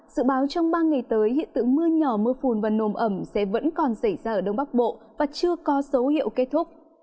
dự báo trong ba ngày tới hiện tượng mưa nhỏ mưa phùn và nồm ẩm sẽ vẫn còn xảy ra ở đông bắc bộ và chưa có dấu hiệu kết thúc